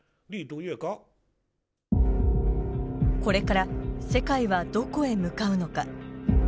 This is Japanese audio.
これから世界は、どこへ向かうのか。